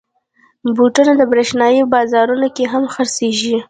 بوټونه د برېښنايي بازارونو کې هم خرڅېږي.